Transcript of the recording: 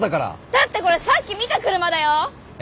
だってこれさっき見た車だよ？